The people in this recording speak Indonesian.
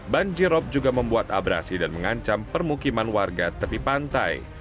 banjirop juga membuat abrasi dan mengancam permukiman warga tepi pantai